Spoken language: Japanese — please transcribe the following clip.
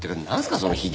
そのひげ。